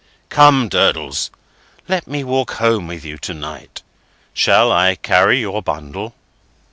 Come, Durdles; let me walk home with you to night. Shall I carry your bundle?"